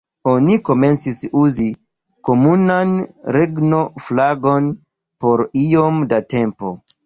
Oni komencis uzi komunan regno-flagon por iom da tempo.